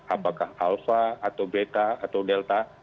apakah alpha atau beta atau delta